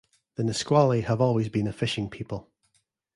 The Nisqually have always been a fishing people.